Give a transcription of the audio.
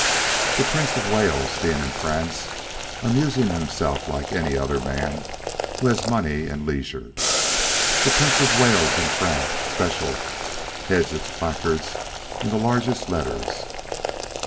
The Prince of Wales being in France, amusing himself like any other man who has money and leisure, "The Prince of Wales in France—Special," heads its placards in the largest letters.